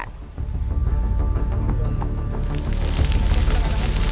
dari kampar riau kabupaten magelang jawa tengah jawa tengah terbakar sejak jam empat belas